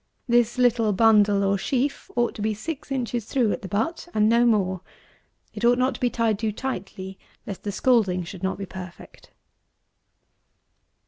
This little bundle or sheaf ought to be six inches through at the butt, and no more. It ought not to be tied too tightly, lest the scalding should not be perfect.